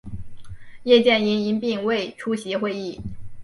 叶剑英因病未出席会议。